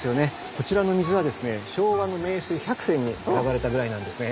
こちらの水はですね昭和の名水百選に選ばれたぐらいなんですね。